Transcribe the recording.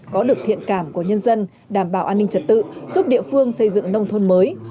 có được thiện cảm của nhân dân đảm bảo an ninh trật tự giúp địa phương xây dựng nông thôn mới